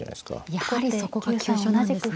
やはりそこが急所なんですね。